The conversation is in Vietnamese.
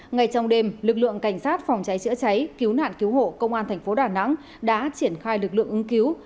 ngay trong đêm lực lượng cảnh sát phòng cháy chữa cháy cứu nạn cứu hộ công an thành phố đà nẵng đã triển khai lực lượng ứng cứu